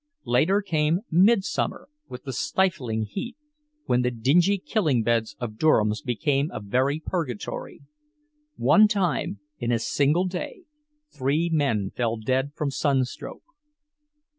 Later came midsummer, with the stifling heat, when the dingy killing beds of Durham's became a very purgatory; one time, in a single day, three men fell dead from sunstroke.